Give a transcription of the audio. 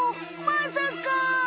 まさか！